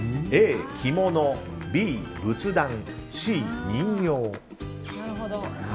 Ａ、着物Ｂ、仏壇Ｃ、人形。